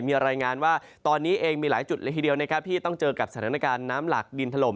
มีรายงานว่าตอนนี้เองมีหลายจุดเลยทีเดียวนะครับที่ต้องเจอกับสถานการณ์น้ำหลักดินถล่ม